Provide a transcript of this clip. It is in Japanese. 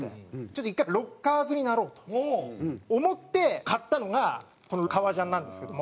ちょっと１回ロッカーズになろうと思って買ったのがこの革ジャンなんですけども。